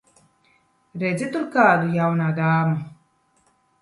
Redzi tur kādu, jaunā dāma?